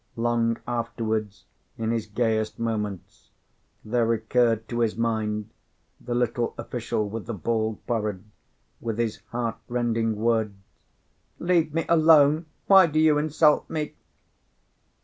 Long afterwards, in his gayest moments, there recurred to his mind the little official with the bald forehead, with his heart rending words, "Leave me alone! Why do you insult me?"